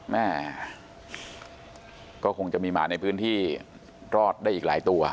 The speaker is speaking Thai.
แม่ก็คงจะมีหมาในพื้นที่รอดได้อีกหลายตัว